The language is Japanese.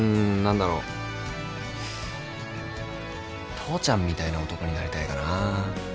父ちゃんみたいな男になりたいかな。